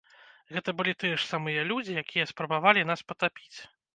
Гэта былі тыя ж самыя людзі, якія спрабавалі нас патапіць.